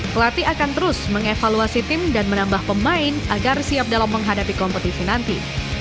pelatih akan terus mengevaluasi tim dan menambah pemain agar siap dalam menghadapi kompetisi nanti